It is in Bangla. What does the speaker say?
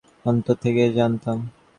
অন্তর থেকেই জানতাম।